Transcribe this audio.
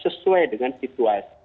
sesuai dengan situasi